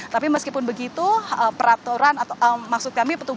tapi meskipun begitu peraturan atau maksud kami petugas